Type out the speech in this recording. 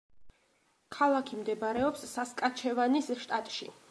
ქალაქი მდებარეობს სასკაჩევანის შტატში.